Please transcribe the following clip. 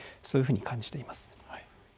そういうふうに感じています。